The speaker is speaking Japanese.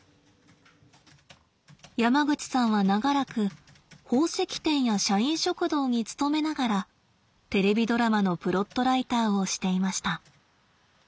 山口さんは長らく宝石店や社員食堂に勤めながらテレビドラマのプロットライターをしていました。